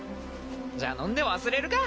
じゃあ飲んで忘れるか！